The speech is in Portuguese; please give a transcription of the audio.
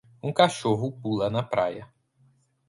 Um cachorro pula na praia.